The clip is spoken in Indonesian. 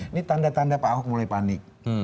ini tanda tanda pak ahok mulai panik